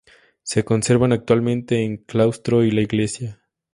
Se conservan actualmente el claustro y la iglesia.